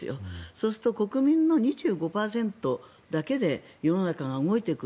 そうすると、国民の２５％だけで世の中が動いていく。